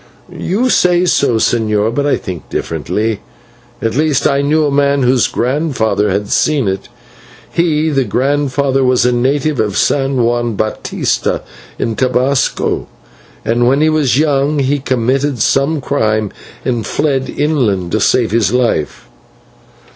"You say so, señor, but I think differently. At least, I knew a man whose grandfather had seen it. He, the grandfather, was a native of San Juan Batista, in Tobasco, and when he was young he committed some crime and fled inland to save his life.